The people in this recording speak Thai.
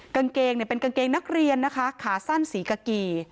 กางเกงเนี่ยเป็นกางเกงนักเรียนนะคะขาสั้นสีกากี